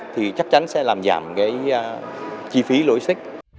thì chắc chắn sẽ làm giảm cái chi phí lối xích